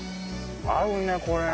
合うねこれね！